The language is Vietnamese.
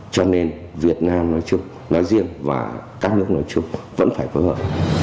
cho nên việt nam nói chung nói riêng và các nước nói chung vẫn phải phối hợp